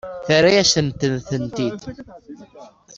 Terra-yasen-ten-id.